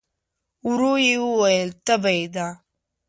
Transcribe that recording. ورو يې وویل: تبه يې ده؟